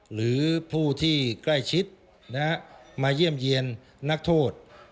หรือผู้ที่ใกล้ชิดมาเยี่ยมเยี่ยนนักโทษ